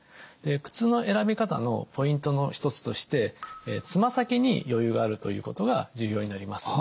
靴の選び方のポイントの一つとしてつま先に余裕があるということが重要になります。